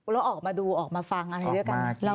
แล้วออกมาดูออกมาฟังอะไรด้วยกัน